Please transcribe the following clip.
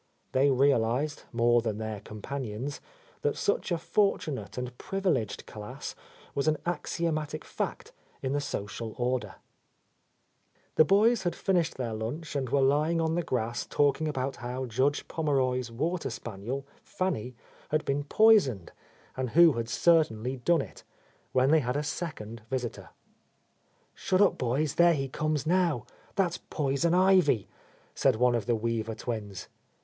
They realized, more than their companions, that such a fortunate and privileged class was an axiomatic fact in the social order. The boys had finished their lunch and were lying on the grass talking about how Judge Pommeroy's water spaniel, Fanny, had been poisoned, and who had certainly done it, when they had a second visitor. — 10 —' A Lost Lady "Shut up, boys, there he comes now. That's Poison Ivy," said one of the Weaver twins.